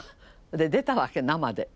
で出たわけ生で。